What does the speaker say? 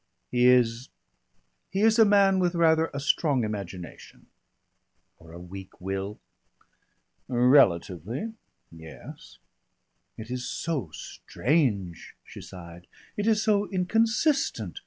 "He is he is a man with rather a strong imagination." "Or a weak will?" "Relatively yes." "It is so strange," she sighed. "It is so inconsistent.